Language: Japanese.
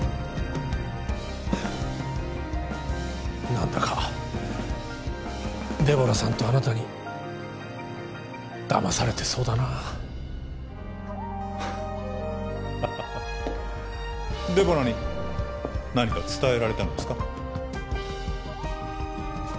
何だかデボラさんとあなたにだまされてそうだなハッハハハデボラに何か伝えられたのですか？